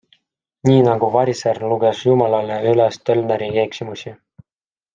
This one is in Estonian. Nii nagu variser luges Jumalale üles tölneri eksimusi.